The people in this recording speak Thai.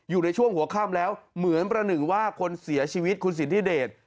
ในช่วงหัวค่ำแล้วเหมือนประหนึ่งว่าคนเสียชีวิตคุณสิทธิเดช